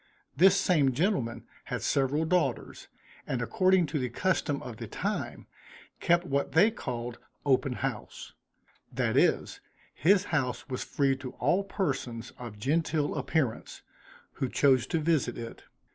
This same gentleman had several daughters, and according to the custom of the time, kept what they called open house: that is, his house was free to all persons of genteel appearance, who chose to visit it.